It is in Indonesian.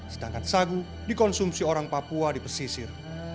sedangkan sagu dikonsumsi orang papua di pesisir